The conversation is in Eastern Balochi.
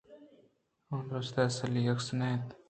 آدُرست اصلیں عکس نہ اَنت